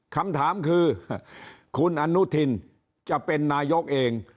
คำถามคือคุณอนุทินจะเป็นนายกเอง